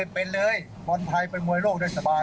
เป็นเลยบอลไทยเป็นมวยโลกได้สบาย